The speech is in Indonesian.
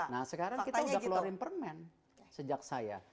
nah sekarang kita udah keluarin permen sejak saya